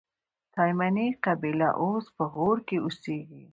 تایمني قبیله اوس په غور کښي اوسېږي.